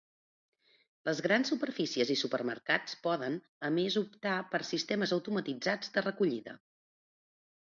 Les grans superfícies i supermercats poden, a més, optar per sistemes automatitzats de recollida.